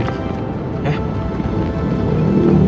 itu bukan salah lo